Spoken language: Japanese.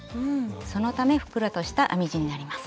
そのためふっくらとした編み地になります。